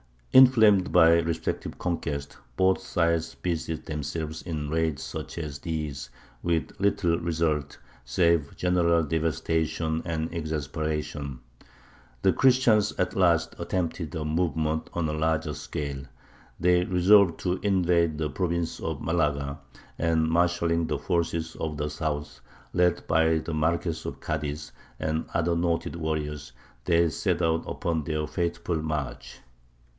Inflamed by their respective conquests, both sides busied themselves in raids such as these, with little result, save general devastation and exasperation. The Christians at last attempted a movement on a larger scale. They resolved to invade the province of Malaga, and, marshalling the forces of the south, led by the Marquess of Cadiz and other noted warriors, they set out upon their fateful march.